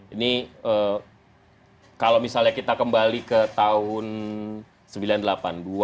ini kalau misalnya kita kembali ke tahun sembilan puluh delapan dua puluh tahun yang lalu